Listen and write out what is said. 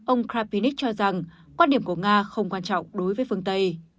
ông kapinic cho rằng quan điểm của nga không quan trọng đối với phương tây